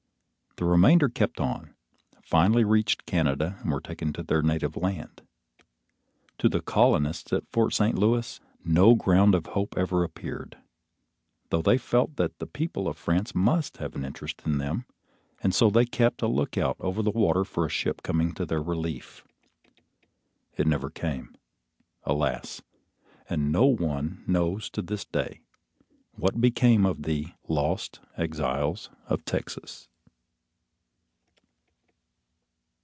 The remainder kept on, finally reached Canada and were taken to their native land. To the colonists at Fort St. Louis, no ground of hope ever appeared, though they felt that the people of France must have an interest in them, and so they kept a look out over the water for a ship coming to their relief. It never came, alas, and no one knows to this day what became of the Lost Exiles of Texas!